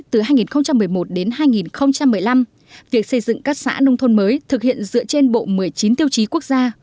từ hai nghìn một mươi một đến hai nghìn một mươi năm việc xây dựng các xã nông thôn mới thực hiện dựa trên bộ một mươi chín tiêu chí quốc gia